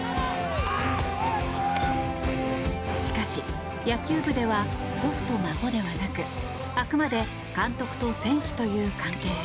しかし、野球部では祖父と孫ではなくあくまで監督と選手という関係。